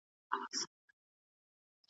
هغه څوک چي زده کړه کوي پوهه زياتوي!!